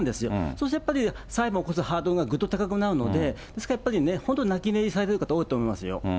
そうするとやっぱり裁判起こすハードルがぐっと高くなるので、ですからやっぱり、本当泣き寝入りされる方多いと思いますよ。